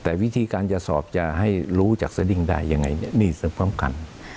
แต่วิธีการจะสอบจะให้รู้จากสดิ้งได้ยังไงนี่พร้อมกัน